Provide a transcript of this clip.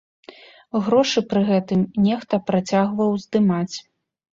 Грошы пры гэтым нехта працягваў здымаць.